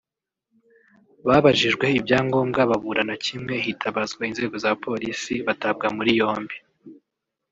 babajijwe ibyangombwa babura na kimwe hitabazwa inzego za Polisi batabwa muri yombi